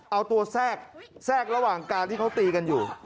เอาตัวแทรกแทรกระหว่างการที่เขาตีกันอยู่